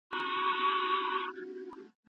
هیڅوک باید د خپلي غریبۍ له امله له ټولني جلا نه سي.